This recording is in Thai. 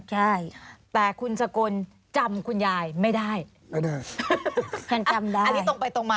ฉันจำได้